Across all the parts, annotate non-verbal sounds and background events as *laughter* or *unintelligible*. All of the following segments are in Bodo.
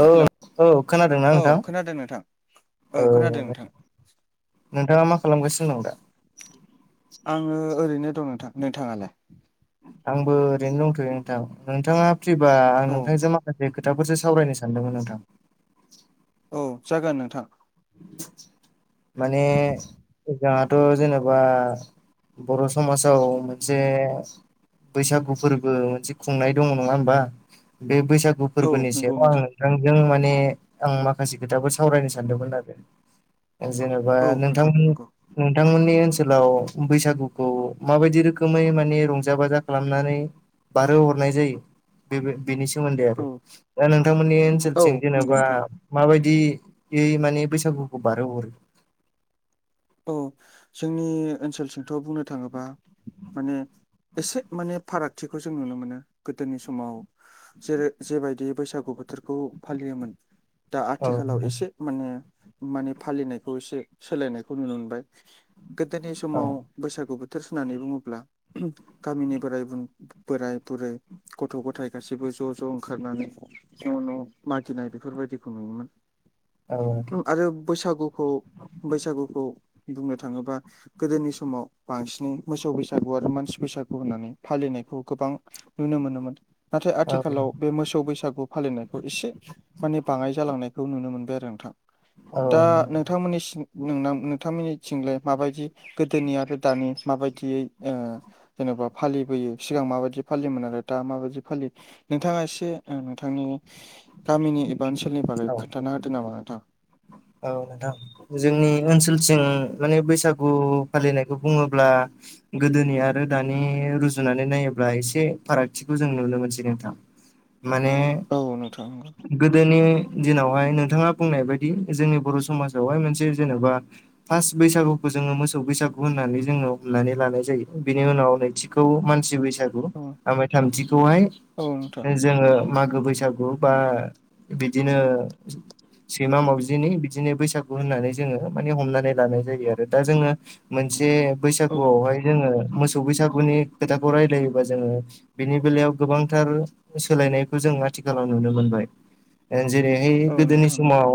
औ हेल' औ खोनादोंना औ नोंथां खोनादों नोंथां खोनादों औ नोंथां नोंथांङा मा खालामगासिनो दं दा? आङो ओरैनो दं नोंथां नोंथाङालाय आंबो ओरैनो दंथ'यो नोंथां नोंथांङा फ्रिबा आं औ नोंथांजों माखासे खो खोथाखौसो सावरायनो सानदोंमोन नोंथां औ जागोन नोंथां माने जोंहाथ' जेनेबा बर' समाजाव मोनसे बैसागु फोरबो मोनसे खुंनाय दंङो नङा होमबा बे बैसागु औ फोरबोनि नंगौ सायाव आं नोंथां नोंथांजों माने आं माखासे खोथाफोर सावरायनो सानदोंमोन आरो जेनेबा औ नोंथां नोंथांमोन नंगौ नोंथांमोननि ओनसोलाव बैसागुखौ माबायदि रोखोमै माने रंजा बाजा खालामनानै बारहो हरनाय जायो बेबो बेनि सोमोन्दै औ आरो दा नोंथांमोननि औ ओनसोलथिं नंगौ जेनेबा नोंथां माबायदियै माने बैसागुखौ बारहो हरो औ जोंनि ओनसोलसथिंथ' बुंनो थाङोबा माने एसे माने फारागथिखौ जों नुनो मोनो गोदोनि समाव जेरै जेबायदि बैसागु बोथोरखौ फालियोमोन। दा औ आथिखालाव एसे माने माने फालिनायखौ एसे सोलायनायख खौ नुनो मोनबाय गोदोनि औ समाव बैसागु बोथोर होननानै बुङोब्ला गामिनि बोराइ बोराइ बुरै गथ' गथाइ गासैबो ज' ज' ओंखारनानै न' न' मागिनाय बेफोरबायादिखौ नुङोमोन ओ आरो बैसागुखौ बैसागुखौ बुंनो थाङोबा गोदोनि समाव बांसिनै मोसौ बैसागु आरो मानसि बैसागु होननानै फालिनायखौ गोबां नुनो मोनोमोन नाथाय आथिखालाव बे मोसौ बैसागु फालिनायखौ एसे माने बाङाय जालांनायखौ नुनो मोनबाय आरो नोंथां औ दा नोंथांमोननिसिम नोंनाम नोंथांमोननिथिंलाय माबायदि गोदोनि आरो दानि माबायदियै ओ जेन'बा फालिबोयो सिगां माबायदि फालियोमोन आरो दा माबायदि फालियो नोंथाङा एसे नोंथांनि गामिनि एबा ओनसोलनि बारै औ खोन्था होददों नामा नोंथां औ नोंथां जोंनि ओनसोलथिं माने बैसागु फालिनायखौ बुंङोब्ला गोदोनि आरो दानि रुजुनानै नायोब्ला एसे फारागथिखौ जों नुनो मोनसै नोंथां माने औ नोंथां गोदोनि दिनावहाय नोंथाङा बुंनाय बायदि जोंनि बर' समाजावहाय मोनसे जेनेबा फार्स्ट बैसागुखौ जोंङो मोसौ बैसागु होननानै जोंङो हमनानै लानाय जायो बेनि उनाव नैथि मानसि बैसागु औ ओमफ्राय थामथिखौहाय औ नोंथां जोंङो मागो बैसागु बा बिदिनो सैमा मावजि बिनो बिदिनो बैसागु होननानै जोङो माने हमनानै लानाय जायो आरो दा जोङो मोनसे औ बैसागुआवहाय नोंथां जोङो मोसौ बैसागुनि खोथाखौ रायलायोबा जोङो बेनि बेलायाव गोबांथार सोलायनायखौ जों आथिखालाव नुनो मोनबाय ओन जेरै इन औ गोदोन नोंथां नंगौ समाव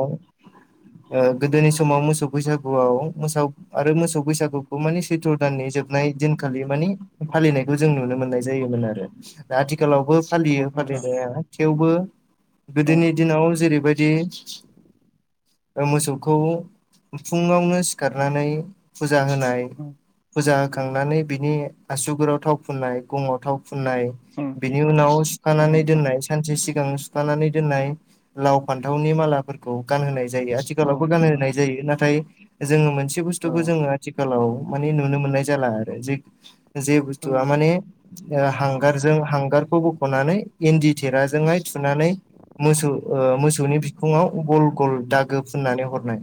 गोदोनि समाव मोसौ बैसागुआव मोस आरो मोसौ बैसागुखौ माने सैथ्र' दाननि जोब नाय दिनखालि मानि फालिनायखौ जों नुनो मोननाय जायोमोन आरो आथिखालावबो औ फालियो नोंथां फालिनाया थेवबो औ गोदोनि दिनाव जेरैबायदि मोसौखौ फुङावनो सिखारनानै फुजा होनाय औ फुजा होखांनानै बिनि आसुगुराव थाव फुननाय गङाव थाव फुननाय नोंथां बिनि उनाव औ सुखानानै नोंथां दोननाय सानसे सिगां सुखांनानै दोननाय लाव फान्थावनि मालाफोरखौ गान होनाय जायो आथिखालावबो औ औ गानहोनाय नोंथां जायो नाथाय जोङो मोनसे बुस्थुखौ जोङो आथिखालाव माने नुनो मोननाय जाला आरो जे जे औ बुस्थुआ माने नोंथां हांगारजों हांगार बेखौ बख'नानै इन्दि थेराजोंहाय थुनानै मोसौ मोसौनि बिखुङाव गल गल दागो फुननानै हरनाय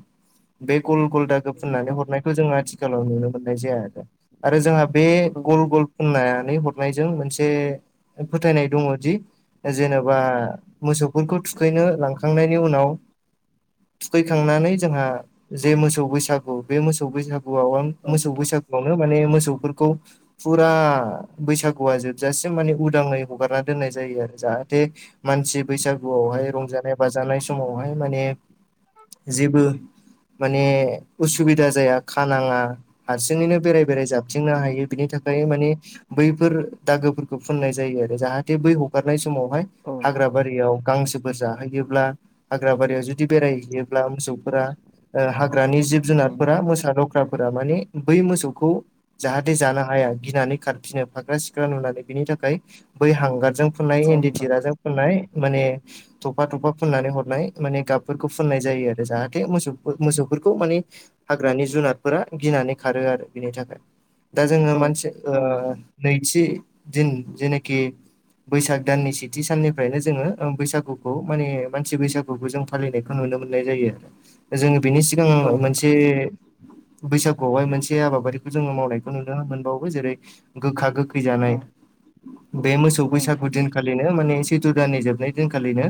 बे गल गलदागो औ फुननानै नोंथां हरनायखौ जों आथिखालाव नुनो मोननाय जाया आरो आरो जोंहा बे गल गल फुननानै हरनायजों मोनसे फोथायनाय दङ दि जेनेबा मोसौफोरखौ थुखैनो लांखांनायनि उनाव थुखैखांनानै जोंहा जे मोसौ बैसागु बे मोसौ बैसागुआव मोसौ औ बैसागु नो *unintelligible* माने मोसौफोरखौ फुरा बैसागुआ जोबजासिम माने उदांङै हगारना दोननाय जायो जाहाथे मानसि नोंथां औ नोंथां औ बैसागुआवहाय नोंथां रंजानाय बाजानाय समावहाय माने जेबो माने उसुबिदा जाया खानाङा हारसिङैनो बेराय बेराय जाबथिंनो हायो बिनि थाखाय माने बैफोर दागोफोरखौ फुननाय जायो आरो जाहाथे बै हगारनाय समावहाय औ हाग्र नोंथां बारियाव गांसोफोर जाहोयोब्ला हाग्र बारियाव जुदि बेरायहैयोब्ला मोसौफोरा हाग्रानि जिब जुनारफोरा फ्राफोरा माने बै मोसौखौ जाहाथे जानो हाया गिनानै खारफिनो। फागखोरा सिखोख्रारा नुलायनाय बिनि थाखाय बै हांगारजों फुननाय औ इन्दि नोंथां थिराजों फुननाय माने थफा थफा फुननानै हरनाय माने गाब फोरखौ फुननाय जायो आरो जाहाथे मोसौ मोसौफोरखौ माने हाग्रानि जुनादफोरा गिनानै खारो आरो बिनि थाखाय दा जोङो औ मानसि औ नोंथां नैथि दिन जेनाखि बैसाग दाननि सेथि साननिफ्रायनो जोङो बैसागुखौ माने मानसि बैसागुखौ जों फालिनायखौ नुनो मोननाय जायो आरो जोङो बिनि सिगाङ औ मोनसे नोंथां बैसागुआवहाय मोनसे हाबाफारिखौ जोङो मावनायखौ नुनो मोनबावो जेरै गोखा-गोखै जानाय औ बे मोसौ औ बैसागु नोंथां दिनखालिनो माने सैथ्र' दाननि जोबनाय दिनखालिनो औ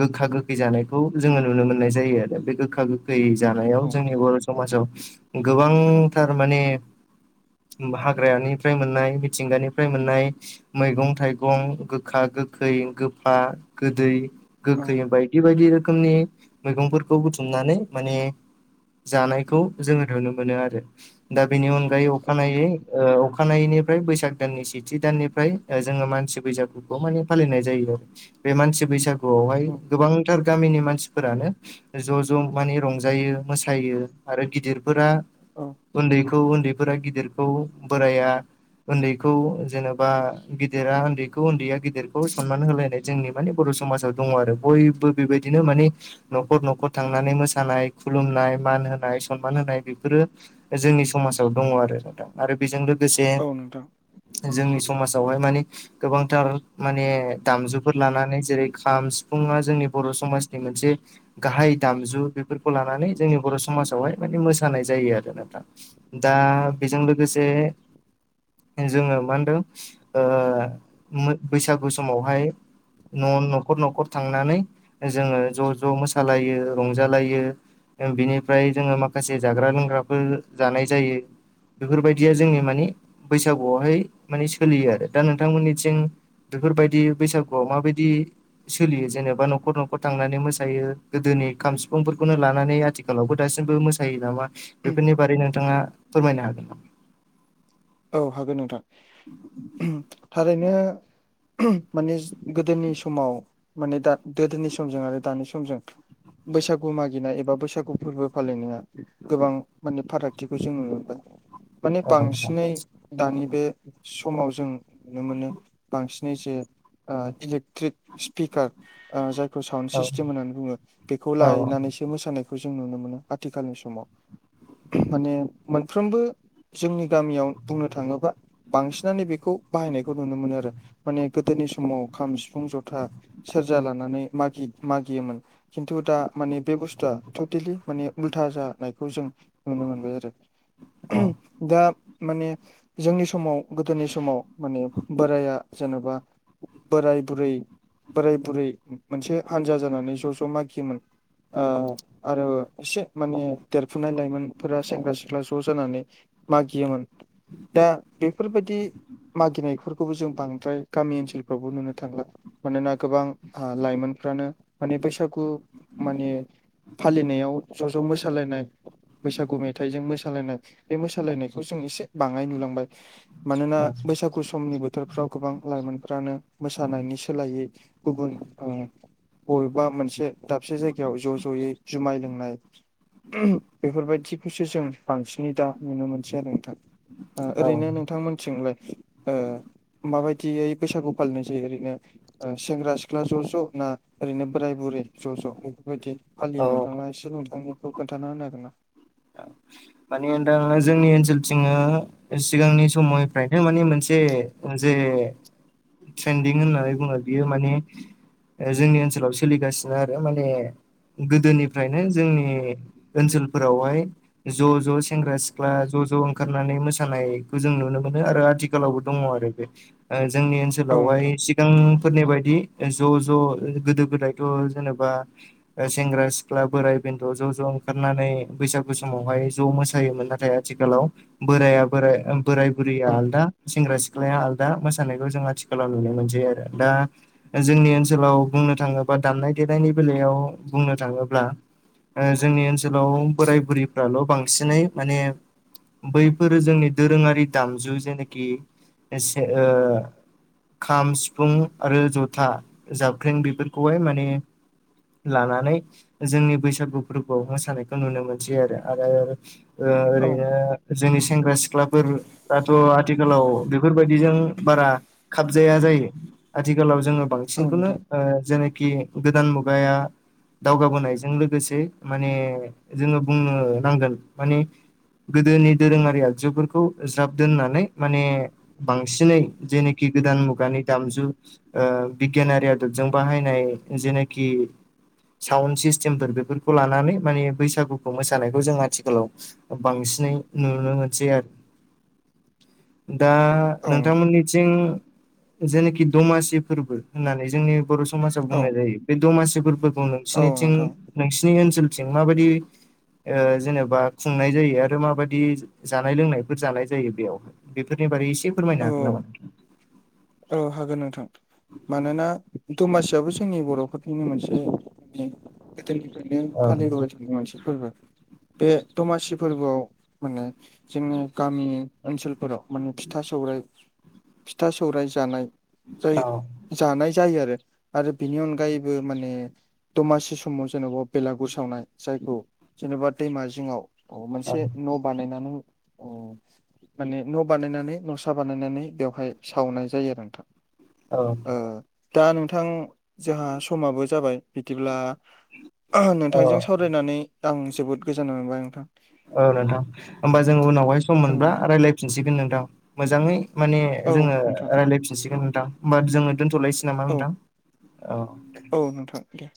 गोखा गोखै जानायखौ जोङो नुनो मोननाय जायो आरो बे गोखा गोखै जानायाव औ जोंनि बर' समाजाव गोबांथार माने उम हाग्रानिफ्राय मोननाय मिथिंगानिफ्राय मोननाय। मैगं-थाइगं, गोखा-गोखै, गोफा-गोदै गोखै औ बायदि बायदि रोखोमनि मैगंफोरखौ बुथुमनानै माने जानायखौ जोङो नुनो मोनो आरो दा बेनि अनगायै अखानायै नोंथां अखानायैनि फ्राय बैसाग दाननि सेथि दाननिफ्राय जोङो मानसि बैसागुखौ माने फालिनाय जायो बे मानसि बैसागुआवहाय औ गोबांथार गामिनि मानसिफोरानो ज' ज' मानि रंजायो मोसायो आरो गिदिरफोरा औ उन्दैखौ उन्दैफोरा गिदिरखौ बोराइआ उन्दैखौ जेनेबा गिदिरा उन्दैखौ उन्दैया गिदिरखौ सनमान होलायनाय जोंनि माने बर' समाजाव दङ आरो बयबो बेबायदिनो माने न'खर न'खर थांनानै मोसानाय खुलुमनाय मान होनाय सनमान होनाय बेफोरो जोंनि समाजाव दङ आरो आरो बेजों लोगोसे औ नोंथां जोंनि समाजावहाय माने गोबांथार माने दामजुफोर लानानै जेरै खाम सिफुंआ जोंनि बर' समाजनि मोनसे गाहाय दामजु बेफोरखौ लानानै जोंनि बर' समाजावहाय माने मोसानाय जायो आरो नोंथां दा बेजों लोगोसे जोंङो मा होनदों ओ मोद बैसागु समावहाय न' न'खर न'खर थांनानै जोङो ज' ज' मोसालायो रंजालायो बिनिफ्राय जोङो माखासे जाग्रा लोंग्राफोर जानाय जायो बेफोरबायदिया जोंनि माने बैसागुआवहाय माने सोलियो आरो दा नोंथांमोननिथिं बेफोरबायदि बैसागुआ माबायदि सोलियो जेनेबा न'खर न'खर थांनानै मोसायो गोदोनि खाम सिफुंफोरखौनो लानानै आथिखालावबो दासिमबो मोसायो नामा बेफोरनि बारै नोंथांङा फोरमायनो हागोन औ हागोन नोंथां थारैनो माने गोदोनि समाव माने दा गोदोनि समजों आरो दानि समजों बैसागु मागिनाय एबा बैसागु फोरबो फालिनाया गोबां माने फारागथिखौ जों नुनो मोनबाय माने औ नोंथां बांसिननानो दानि बे समाव जों नुनो मोनो बांसिनै जे इलेक्ट्रिक स्पिकार जाय प्र साउन्ड औ सिस्टेम होननानै बुङो बेखौ औ लायनानैसो मोसानायखौ जों नुनो मोनो आथिखालनि समाव माने मोनफ्रोमबो जोंनि गामियाव बुंनो थाङोबा बांसिनानो बेखौ बाहायनायखौ नुनो मोनो आरो माने गोदोनि समाव खाम सिफुं जथा सेरजा लानानै मागि मागियोमोन खिन्थु दा माने बे बुस्थुआ टटेलि माने उल्था जानायखौ जों नुनो मोनबाय ज औ औ दा माने जोंनि समाव गोदोनि समाव माने बोराया जेनेबा बोराय बुरै बोराय बुरै मोनसे हान्जा जानानै ज' ज' माखियोमोन आरो एसे माने देरफुनाय लाइमोनफोरा सेंग्रा सिख्ला ज' जानानै मागियोमोन दा बेफोरबायाददि मागिनायफोरखौबो जों बांद्राय गामि ओनसोलफ्रावबो नुनो थांला मानोना गोबां लाइमोनफ्रानो माने बैसागु माने फालिनायाव ज' ज' मोसालायनाय बैसागु मेथाइजों मोसालायनाय बे मोसालायनायखौ जों एसे बाङाय नुलांबाय मानोना बैसागु दुखु समनि बोथोरफ्राव गोबां लाइमोनफ्रानो मोसानायनि सोलायै गुबुन बबेबा मोनसे दाबसे जायगायाव ज' ज'यै जुमाय लोंनाय बेफोरबायदिखौसो जों बांसिनै दा नुनो मोनसै आरो नोंथां ओरैनो नोंथांमोनथिंलाय माबायदियै बैसागु फालिनाय जायो ओरैनो सेंग्रा सिख्ला ज' ज' ना ओरैनो बोराय बुरै ज' ज' बेफोरबायदि फालियो औ नोंथाङा एसे नोंथांनिखौ खोन्थाना होनो हागोन ना मानि होनदों जोंनि ओनसोलथिं सिगांनि समनिफ्रायनो माने मोनसे जे ट्रेन्दिं होननानै बुङो बियो माने जोंनि ओनसोलाव सोलिगासिनो आरो माने गोदोनिफ्रायनो जोंनि ओनसोलफोरावहाय ज' ज' सेंग्रा सिख्ला ज' ज' ओंखारनानै मोसानायखौ जों नुनो मोनो आरो आथिखालावबो दङ आरो बे जोंनि औ ओनसोलावहाय नोंथां सिगांफोरनि बायदि ज' ज' गोदो गोदायथ' जेनेबा सेंग्रा सिख्ला बोराय बेथ' ज' ज' ओंखारनानै बैसागु समावहाय ज' मोसायोमोन नाथाय आथिखालाव बोराया बोराइ बोराय बुरैया आलदा सेंग्रा सिख्लाया आलदा मोसानायखौ जों आथिखालाव नुनो मोनसै आरो दा जोंनि ओनसोलाव बुंनो थाङोबा दामनाय देनायनि बेलायाव बुंनो थाङोब्ला जोंनि ओनसोलाव बोराय बुरिफ्राल' बांसिनै माने बैफोरो जोंनि दोरोङारि दामजु जेनोखि खाम सिफुं आरो जथा जाबख्रें बेफोरखौहाय माने लानानै जोंनि बैसागु फोरबो मोसानायखौ नुनो मोनसै आरो आरो जोंनि सेंग्रा सिख्लाफोराथ' आथिखालाव बेफोरबायदिजों बारा खाबजाया जायो आथिखालाव जोङो बांसिनखौनो जेनेखि गोदान मगाया दावगाबोनायजों लोगोसे माने जोङो बुंनो नांगोन माने गोदोनि दोरोङारि आगजुफोरखौ ज्राब दोननानै माने बांसिनै जेनोखि गोदान मुगानि दामजु ओ बिगियानारि आदबजों बाहायनाय जेनोखि साउड सिस्टेम फोर बेफोरखौ लानानै माने बैसागुखौ मोसानाय। खौ जों आथिखालाव बांसिनै नुनो मोनसै आरो। दा औ नोंथां औ नोंथां नोंथांमोनिथिं जेनाखि दमासि फोरबो होननानै जोंनि बर समाजाव औ बुंनाय जायो बे दमासि फोरबोखौ औ नोंसिनिथिं नोंथां नोंसिनि ओनसोलथिं माबायदि ओ जेनेबा खुंनाय जायो आरो माबादि जानाय लोंनायफोर जानाय जायो बेयाव बेफोरनि बारै एसे फोरमायनो औ हागोन नामा नोंथां? औ हागोन नोंथां। मानोना दमासियाबो जोंनि बर'फोरनिनो मोनसे गोदोनिफ्रायनो फालिबोबाय थानाय मोनसे फोरबो। बे दमासि फोरबोआव माने जोंनि गामि ओनसोलफोराव माने सौराय फिथा सौराय जानाय जाय औ जानाय जायो आरो आरो बेनि अनगायैबो माने दमासि समाव जेन'बा बेलागुर सावनाय जायखौ जेनेबा दैमा जिङाव औ मोनसे न' बानायनानै माने न' बानायनानै नसा बानायनानै बेवहाय सावनाय जायो आरो नोंथां औ ओ दा नोंथां जोंहा समाबो जाबाय बिदिब्ला नोंथांजों औ सावराय फरायनानै आं जोबोद गोजोननाय मोनबाय नोंथां। औ नोंथां होमबा जों उनावहाय सम औ मोनब्ला रायलायफिनसिगोन नोंथां मोजाङै माने औ जोङो नोंथां रायलायफिनसिगोन नोंथां होनबा जोङो दोन्थ'लायसै नामा औ नोंथां औ। औ नोंथां दे